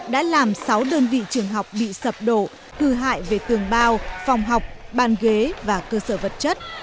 đã làm sáu đơn vị trường học bị sập đổ cư hại về tường bao phòng học bàn ghế và cơ sở vật chất